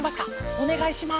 おねがいします。